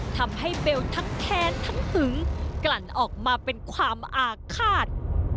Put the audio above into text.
ทำให้เบลทั้งแค้นทั้งหึงกลั่นออกมาเป็นความอาฆาต